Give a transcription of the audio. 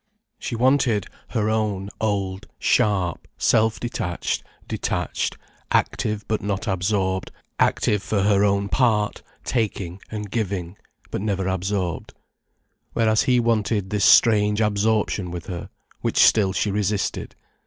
She wanted her own, old, sharp self, detached, detached, active but not absorbed, active for her own part, taking and giving, but never absorbed. Whereas he wanted this strange absorption with her, which still she resisted.